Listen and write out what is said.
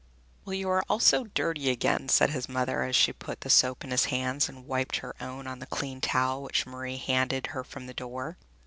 "Well, you are also dirty again," said his mother, as she put the soap in his hands and wiped her own on the clean towel which Marie handed her from the door.